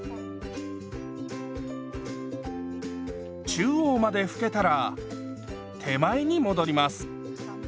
中央まで拭けたら手前に戻ります。